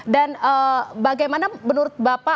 dan bagaimana menurut bapak